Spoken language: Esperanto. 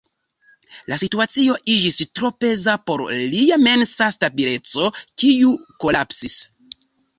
La situacio iĝis tro peza por lia mensa stabileco, kiu kolapsis.